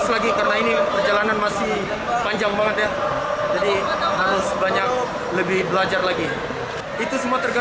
tidak ada yang jatuh di dalam bayi tahanty bikin suara suara